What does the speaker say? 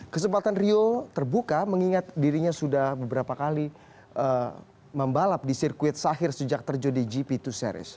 kesempatan rio terbuka mengingat dirinya sudah beberapa kali membalap di sirkuit sahir sejak terjadi gp dua series